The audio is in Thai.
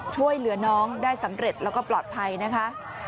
ช่วยเหลือน้องได้สำเร็จแล้วก็ปลอดภัยนะคะ